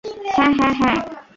হ্যাঁ, হ্যাঁ, হ্যাঁ!